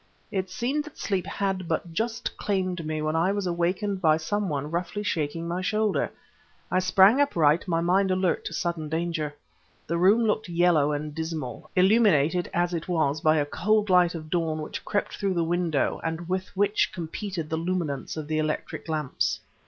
It seemed that sleep had but just claimed me when I was awakened by some one roughly shaking my shoulder. I sprang upright, my mind alert to sudden danger. The room looked yellow and dismal, illuminated as it was by a cold light of dawn which crept through the window and with which competed the luminance of the electric lamps.